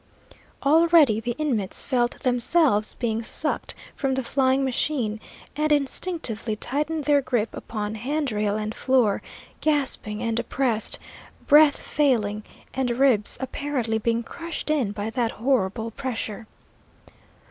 Already the inmates felt themselves being sucked from the flying machine, and instinctively tightened their grip upon hand rail and floor, gasping and oppressed, breath failing, and ribs apparently being crushed in by that horrible pressure.